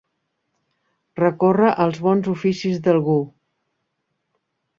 Recórrer als bons oficis d'algú.